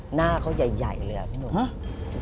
หน้าเขาย่ายเลยอ่ะพี่หนู